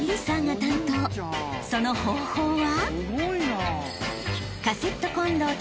［その方法は］